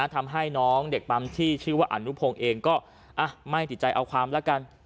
ทำให้น้องเด็กปั๊มที่ชื่อว่าอนุพงศ์เองก็ไม่ติดใจเอาความแล้วกัน